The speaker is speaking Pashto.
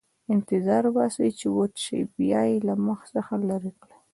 انتظار وباسئ چې وچ شي، بیا یې له مخ څخه لرې کړئ.